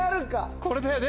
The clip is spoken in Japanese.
ここだよね。